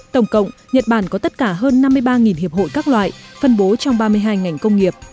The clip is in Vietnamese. tổng cộng nhật bản có tất cả hơn năm mươi ba hiệp hội các loại phân bố trong ba mươi hai ngành công nghiệp